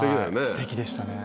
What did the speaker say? すてきでしたね。